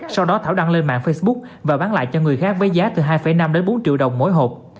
sau đó thảo đăng lên mạng facebook và bán lại cho người khác với giá từ hai năm đến bốn triệu đồng mỗi hộp